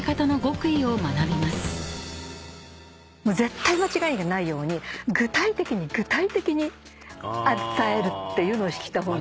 絶対間違いがないように具体的に具体的に伝えるっていうのをした方が。